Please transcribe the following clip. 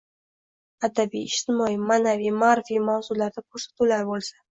Adabiy, ijtimoiy, ma’naviy-ma’rifiy mavzularda ko’rsatuvlar bo’lsa.